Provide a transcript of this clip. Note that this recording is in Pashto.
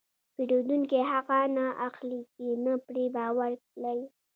پیرودونکی هغه نه اخلي چې نه پرې باور لري.